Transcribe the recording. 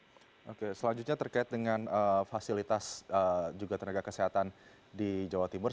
oke selanjutnya terkait dengan fasilitas juga tenaga kesehatan di jawa timur